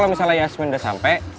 ya udah ntar kalau yasmin udah sampai